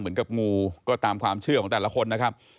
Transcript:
เหมือนกับงูก็ตามความเชื่อของแต่ละคนนะครับ